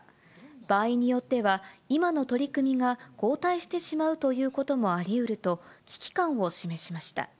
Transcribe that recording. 場合によっては、今の取り組みが後退してしまうということもありうると、危機感を示しました。